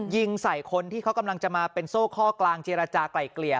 ยิงใส่คนที่เขากำลังจะมาเป็นโซ่ข้อกลางเจรจากลายเกลี่ย